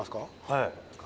はい。